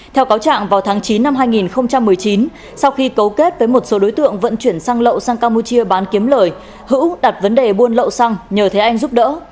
theo cáo trạng vào tháng chín năm hai nghìn một mươi chín sau khi cấu kết với một số đối tượng vận chuyển xăng lậu sang campuchia bán kiếm lời hữu đặt vấn đề buôn lậu xăng nhờ thế anh giúp đỡ